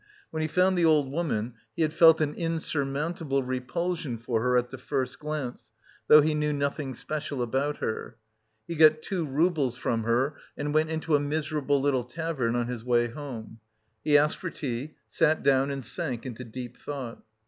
When he found the old woman he had felt an insurmountable repulsion for her at the first glance, though he knew nothing special about her. He got two roubles from her and went into a miserable little tavern on his way home. He asked for tea, sat down and sank into deep thought.